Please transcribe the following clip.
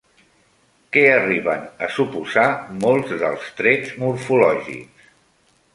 Què arriben a suposar molts dels trets morfològics?